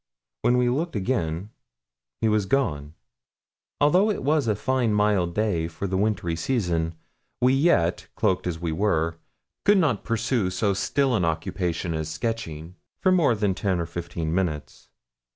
When we looked again he was gone. Although it was a fine mild day for the wintry season, we yet, cloaked as we were, could not pursue so still an occupation as sketching for more than ten or fifteen minutes.